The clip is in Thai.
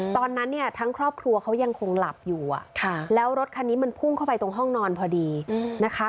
ตอนนั้นเนี่ยทั้งครอบครัวเขายังคงหลับอยู่แล้วรถคันนี้มันพุ่งเข้าไปตรงห้องนอนพอดีนะคะ